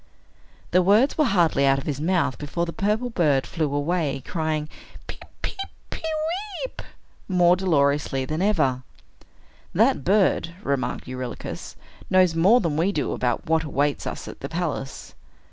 The words were hardly out of his mouth, before the purple bird flew away, crying, "Peep, peep, pe weep," more dolorously than ever. "That bird," remarked Eurylochus, "knows more than we do about what awaits us at the palace."